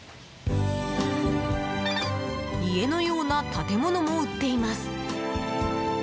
家のような建物も売っています。